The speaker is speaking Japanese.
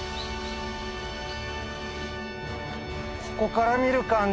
ここから見る感じ